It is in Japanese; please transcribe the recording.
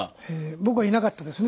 僕はいなかったですね